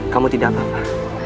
kamu tidak apa apa